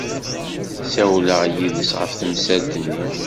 Ssawleɣ yid-s ɣef temsalt-nni.